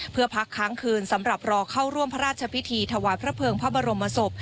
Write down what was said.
เพื่อพักค้างคืนสำหรับรอเข้าร่วมพระราชพิธีถวายพระเภิงพระบรมศพ